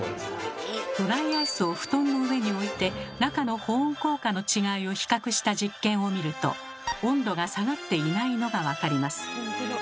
ドライアイスを布団の上に置いて中の保温効果の違いを比較した実験を見ると温度が下がっていないのが分かります。